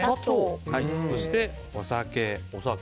そして、お酒。